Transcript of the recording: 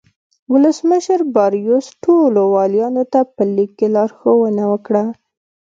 ولسمشر باریوس ټولو والیانو ته په لیک کې لارښوونه وکړه.